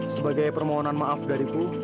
sebagai permohonan maaf dariku